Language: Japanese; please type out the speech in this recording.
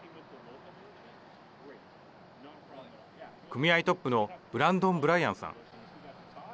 組合トップのブランドン・ブライアンさん。